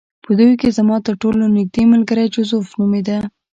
په دوی کې زما ترټولو نږدې ملګری جوزف نومېده